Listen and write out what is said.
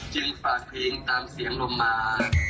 จึงฝากเพลงตามเสียงลมหา